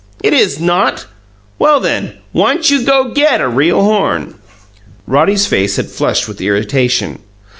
"It is not!" "Well, then, why'n't you go GET a real horn?" Roddy's face had flushed with irritation.